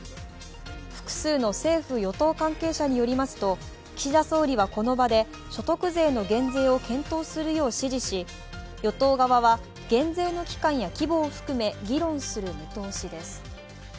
複数の政府・与党関係者によりますと岸田総理はこの場で所得税の減税を検討するよう指示し与党側は減税の期間や規模を含め議論する見通しです。